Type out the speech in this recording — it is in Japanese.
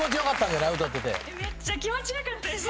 めっちゃ気持ちよかったです。